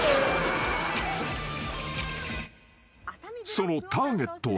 ［そのターゲットは］